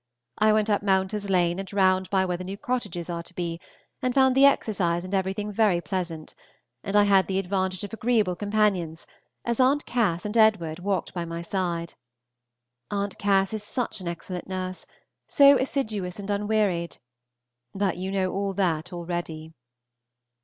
I went up Mounter's Lane and round by where the new cottages are to be, and found the exercise and everything very pleasant; and I had the advantage of agreeable companions, as At. Cass. and Edward walked by my side. At. Cass. is such an excellent nurse, so assiduous and unwearied! But you know all that already.